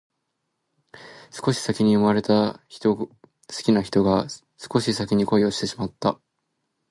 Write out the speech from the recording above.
少し先に生まれた好きな人が少し先に恋をしてしまった